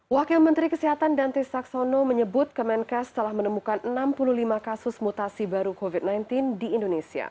wakil menteri kesehatan danti saxono menyebut kemenkes telah menemukan enam puluh lima kasus mutasi baru covid sembilan belas di indonesia